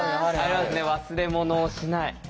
忘れ物をしない。